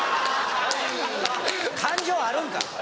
感情あるんか？